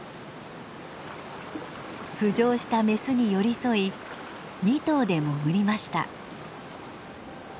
浮上したメスに寄り添い２頭で潜りました。